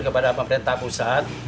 kepada pemerintah pusat